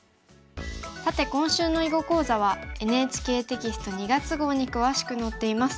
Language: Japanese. さて今週の囲碁講座はＮＨＫテキスト２月号に詳しく載っています。